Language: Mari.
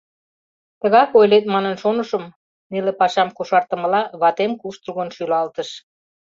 — Тыгак ойлет манын шонышым, — неле пашам кошартымыла, ватем куштылгын шӱлалтыш.